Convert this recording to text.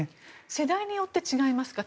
世代によって違いますか？